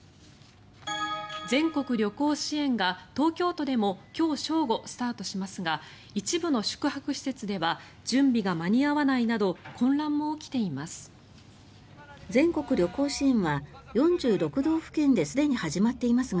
全国旅行支援が東京都でも今日正午、スタートしますが一部の宿泊施設では準備が間に合わないなど混乱も起きています。